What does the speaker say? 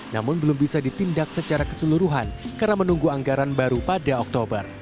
namun belum bisa ditindak secara keseluruhan karena menunggu anggaran baru pada oktober